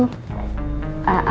ya mir kenapa